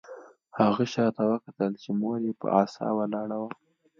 هغه شاته وکتل چې مور یې په عصا ولاړه وه